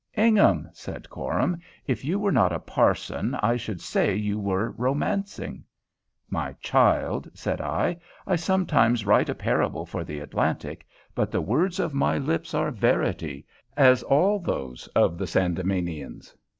"Ingham," said Coram, "if you were not a parson, I should say you were romancing." "My child," said I, "I sometimes write a parable for the Atlantic; but the words of my lips are verity, as all those of the Sandemanians.